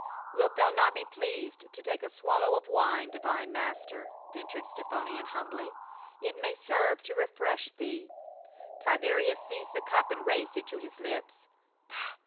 " Wilt thou not be pleased to take a swallow of wine, divine master?" ventured Stephanion humbly. "It may serve to refresh thee ?*" Tiberius seized the cup and raised it to his lips.